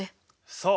そう！